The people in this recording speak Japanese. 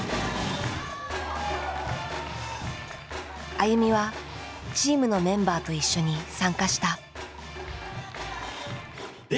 ＡＹＵＭＩはチームのメンバーと一緒に参加した。